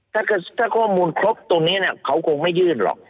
ถ้าข้อมูลครบตรงนี้เขาคงไม่ยื่นหรอก